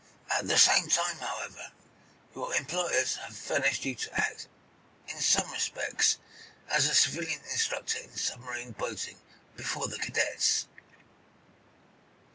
At the same time, however, your employers have furnished you to act, in some respects, as a civilian instructor in submarine boating before the cadets.